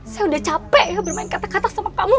saya udah capek bermain kata kata sama kamu